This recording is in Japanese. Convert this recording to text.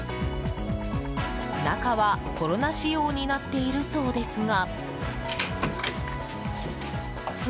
中はコロナ仕様になっているそうですが。